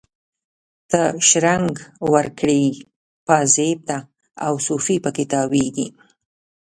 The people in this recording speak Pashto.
ته شرنګ ورکړي پایزیب ته، او صوفي په کې تاویږي